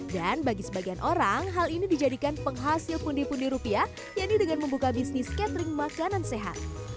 dan bagi sebagian orang hal ini dijadikan penghasil pundi pundi rupiah yang ini dengan membuka bisnis catering makanan sehat